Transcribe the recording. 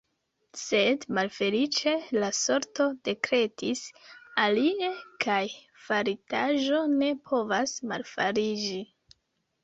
Sed, malfeliĉe, la sorto dekretis alie, kaj faritaĵo ne povas malfariĝi.